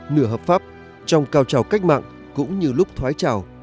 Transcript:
nửa hợp pháp trong cao trào cách mạng cũng như lúc thoái trào